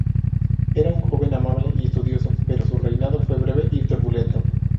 Era un joven amable y estudioso, pero su reinado fue breve y turbulento.